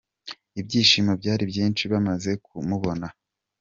Ibyishimo byari byinshi bamaze kumubona.